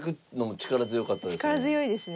力強いですね。